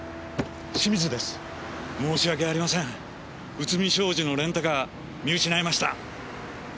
内海将司のレンタカー見失いました。